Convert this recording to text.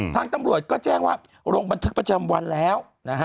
ทางตำรวจก็แจ้งว่าลงบันทึกประจำวันแล้วนะฮะ